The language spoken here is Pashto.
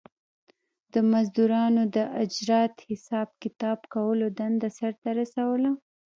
د مزدورانو د اجرت حساب کتاب کولو دنده سر ته رسوله